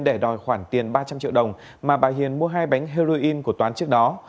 để đòi khoản tiền ba trăm linh triệu đồng mà bà hiền mua hai bánh heroin của toán trước đó